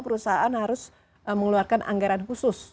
perusahaan harus mengeluarkan anggaran khusus